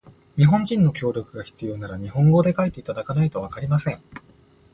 日本人の協力が必要なら、日本語で書いていただかないとわかりません。